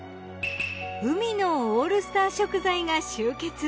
海のオールスター食材が集結。